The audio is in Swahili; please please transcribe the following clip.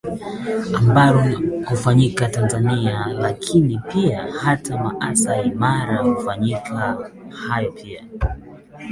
ambalo hufanyika Tanzania lakini pia hata Maasai Mara hufanyika hayo pia